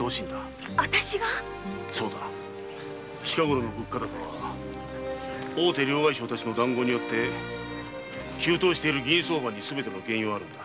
近ごろの物価高は大手両替商たちの談合によって急騰している銀相場にすべての原因があるのだ。